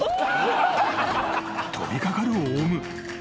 ［飛び掛かるオウム。